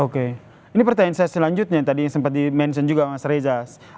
oke ini pertanyaan saya selanjutnya yang tadi sempat di mention juga mas reza